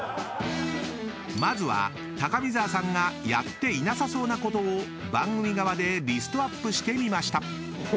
［まずは高見沢さんがやっていなさそうなことを番組側でリストアップしてみました］